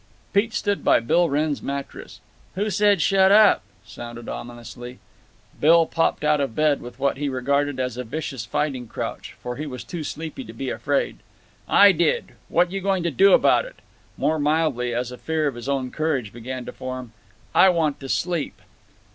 Pete stood by Bill Wrenn's mattress. "Who said 'shut up'?" sounded ominously. Bill popped out of bed with what he regarded as a vicious fighting crouch. For he was too sleepy to be afraid. "I did! What you going to do about it?" More mildly, as a fear of his own courage began to form, "I want to sleep."